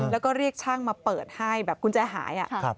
แล้วก็เรียกช่างมาเปิดให้แบบกุญแจหาย